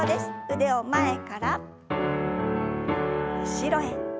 腕を前から後ろへ。